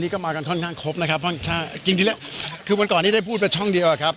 ครบนะครับจริงที่แล้วคือวันก่อนนี้ได้พูดเป็นช่องเดียวครับ